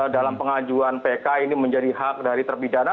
dalam pengajuan pk ini menjadi hak dari terpidana